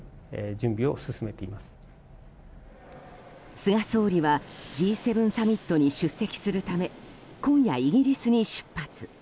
菅総理はＧ７サミットに出席するため今夜、イギリスに出発。